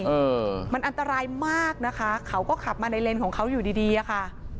เออมันอันตรายมากนะคะเขาก็ขับมาในเลนของเขาอยู่ดีดีอะค่ะ